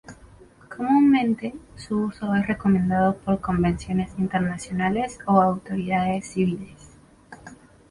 Comúnmente, su uso es recomendado por convenciones internacionales o autoridades civiles.